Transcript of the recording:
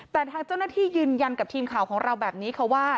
แต่ทางเจ้าหน้าที่ยืนยันกับทีมข่าวของเราแบบนี้ค่ะว่า